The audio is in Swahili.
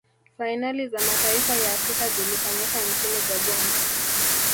fainali za mataifa ya afrika zilifanyika nchini gabon